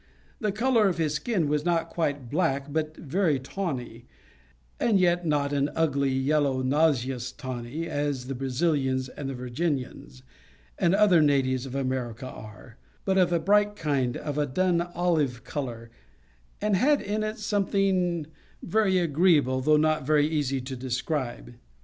The color of his skin was not quite black, but very tawny; and yet not an ugly, yellow, nauseous tawny, as the Brazilians and Virginians, and other natives of America are, but of a bright kind of a dun olive color, that had in it something very agreeable, though not very easy to describe.